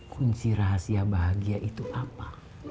kunci rahasia bahagia itu apa